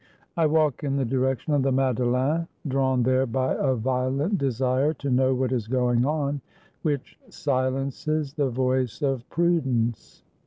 I walk in the direction of the Madeleine, drawn there by a violent desire to know what is going on, which silences the voice of prudence.